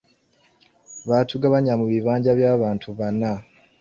Baatugabanya mu bibinja bya bantu bana.